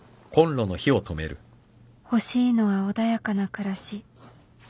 欲しいのは穏やかな暮らし